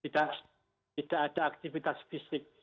tidak ada aktivitas fisik